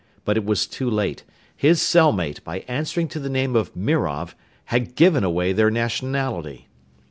But it was too late. His cellmate, by answering to the name of "Mirov," had given away their nationality!